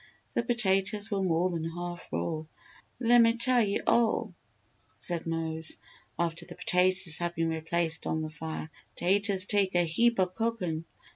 The potatoes were more than half raw. "Lemme tell you all," said Mose, after the potatoes had been replaced on the fire, "taters take a heap o' cookin'.